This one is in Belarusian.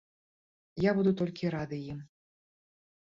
Я буду толькі рады ім.